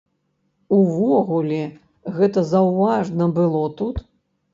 Увогуле гэта заўважна было тут?